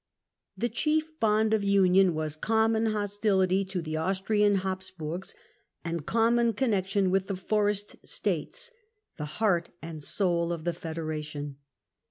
The chief bond of union was common hostility to the Austrian Habsburgs, and common connection with the Forest States, the heart and soul of the Federation.